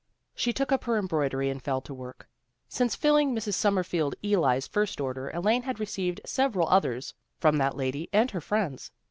She took up her embroidery and fell to work. Since filling Mrs. Summerfield Ely's first order Elaine had received several others from that lady and her friends.